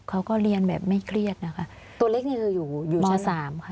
เขาก็เรียนแบบไม่เครียดนะค่ะตัวเล็กนี้คืออยู่ม๓ค่ะ